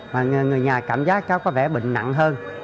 và người nhà cảm giác cháu có vẻ bệnh nặng hơn